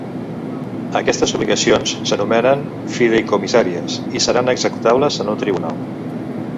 Aquestes obligacions s'anomenen fideïcomissàries i seran executables en un tribunal.